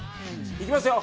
いきますよ。